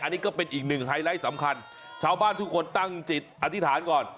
อันนี้ก็เป็นอีกหนึ่งไฮไลท์สำคัญชาวบ้านทุกคนตั้งจิตอธิษฐานก่อน